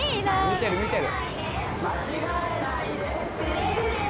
見てる見てる。